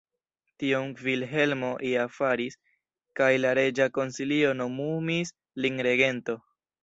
Tion Vilhelmo ja faris, kaj la reĝa konsilio nomumis lin regento.